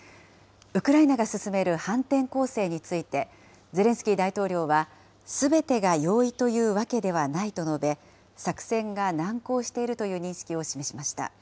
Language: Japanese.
ウクライナが進める反転攻勢について、ゼレンスキー大統領はすべてが容易というわけではないと述べ、作戦が難航しているという認識を示しました。